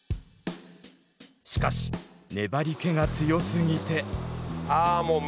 しかし粘り気が強すぎて。